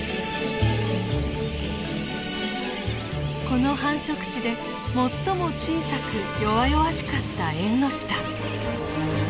この繁殖地で最も小さく弱々しかったエンノシタ。